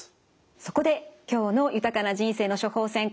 そこで今日の「豊かな人生の処方せん」